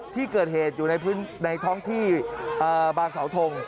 ที่เกิดเหตุอยู่ในท้องที่บางสาวทง